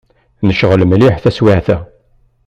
Necɣel mliḥ taswiεt-a.